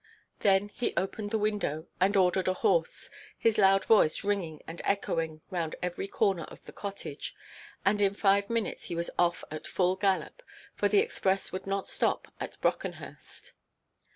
Then he opened the window, and ordered a horse, his loud voice ringing and echoing round every corner of the cottage, and in five minutes he was off at full gallop, for the express would not stop at Brockenhurst.